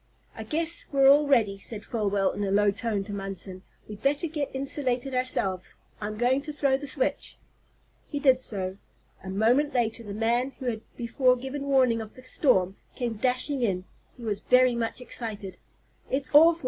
"I guess we're all ready," said Folwell, in a low tone to Munson. "We'd better get insulated ourselves. I'm going to throw the switch." He did so. A moment later the man who had before given warning of the storm came dashing in. He was very much excited. "It's awful!"